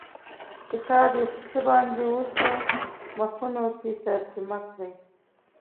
کتاب یې په څه باندې اووه سوه مخونو کې ترجمه کړی.